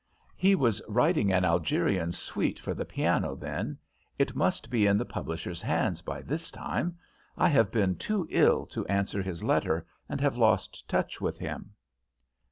"He was writing an Algerian suite for the piano then; it must be in the publisher's hands by this time. I have been too ill to answer his letter, and have lost touch with him."